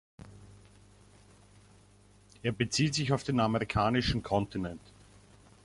Er bezieht sich auf den amerikanischen Kontinent.